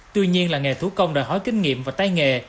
tuy nhiên là nghề thú công đòi hỏi kinh nghiệm và tay nghề